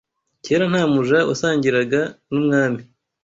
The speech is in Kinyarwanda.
Kera nta muja wasangiraga n’ umwami